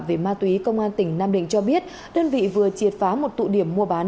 về ma túy công an tỉnh nam định cho biết đơn vị vừa triệt phá một tụ điểm mua bán